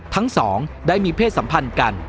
ทั้งสองได้มีเพศสัมพันธ์กัน